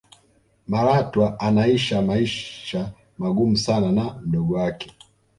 malatwa anaisha maisha magumu sana na mdogo wake